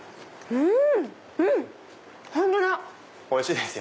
うん？